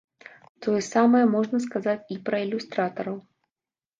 Тое самае можна сказаць і пра ілюстратараў.